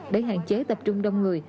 để hạn chế tập trung đông người